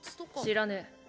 知らねぇ。